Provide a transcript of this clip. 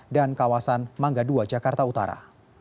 dan kawasan mangga ii jakarta utara